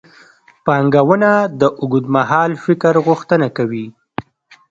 پانګونه د اوږدمهال فکر غوښتنه کوي.